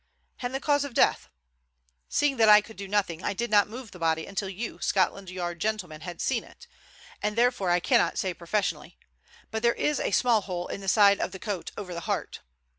"And the cause of death?" "Seeing that I could do nothing, I did not move the body until you Scotland Yard gentlemen had seen it, and therefore I cannot say professionally. But there is a small hole in the side of the coat over the heart."